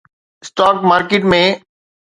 stock market ۾